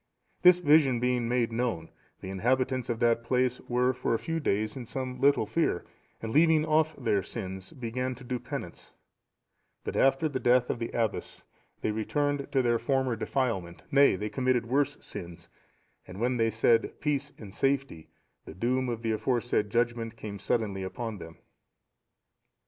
This vision being made known, the inhabitants of that place were for a few days in some little fear, and leaving off their sins, began to do penance; but after the death of the abbess they returned to their former defilement, nay, they committed worse sins; and when they said "Peace and safety," the doom of the aforesaid judgement came suddenly upon them.